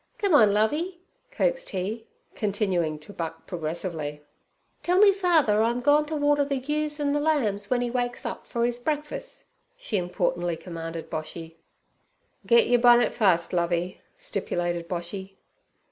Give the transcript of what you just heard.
Come on, Lovey' coaxed he, continuing to buck progressively. 'Tell me father I'm gone t' water th' ewes an' lambs w'en 'e wakes up for his breakfuss' she importantly commanded Boshy. 'Git yer bunnet fust, Lovey' stipulated Boshy.